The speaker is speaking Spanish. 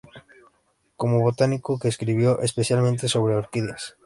Como botánico, que escribió especialmente sobre orquídeas.